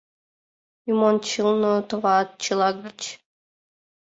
— Юмончылно товат, чыла гыч...